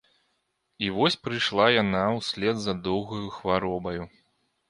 І вось прыйшла яна ўслед за доўгаю хваробаю.